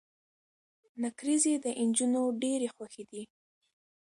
نکریزي د انجونو ډيرې خوښې دي.